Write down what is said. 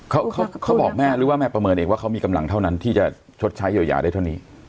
เขาเขาบอกแม่หรือว่าแม่ประเมินเองว่าเขามีกำลังเท่านั้นที่จะชดใช้เยียวยาได้เท่านี้